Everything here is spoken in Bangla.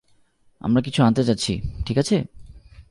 আমরা কিছু আনতে যাচ্ছি - ঠিক আছে?